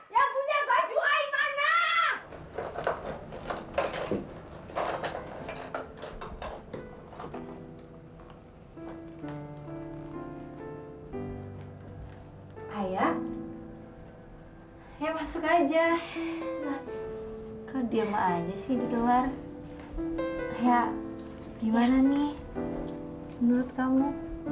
ya gimana nih menurut kamu